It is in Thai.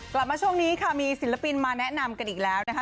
กลับมาช่วงนี้ค่ะมีศิลปินมาแนะนำกันอีกแล้วนะคะ